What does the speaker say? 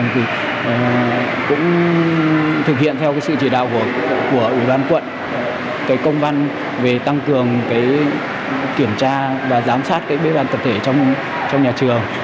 thì cũng thực hiện theo sự chỉ đạo của ủy ban quận công văn về tăng cường kiểm tra và giám sát bếp ăn tật thể trong nhà trường